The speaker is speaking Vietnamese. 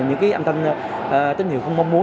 những cái âm thanh tín hiệu không mong muốn